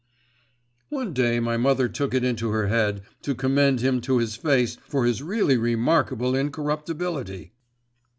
One day my mother took it into her head to commend him to his face for his really remarkable incorruptibility.